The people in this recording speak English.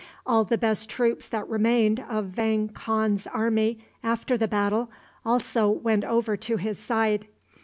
All the best troops that remained of Vang Khan's army after the battle also went over to his side.